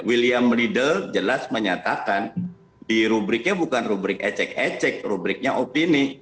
william riddle jelas menyatakan di rubriknya bukan rubrik ecek ecek rubriknya opini